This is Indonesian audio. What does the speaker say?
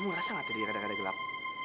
kamu ngerasa gak tadi agak agak gelap